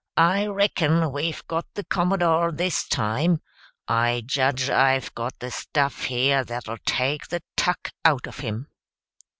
I reckon we've got the Commodore this time. I judge I've got the stuff here that'll take the tuck out of him."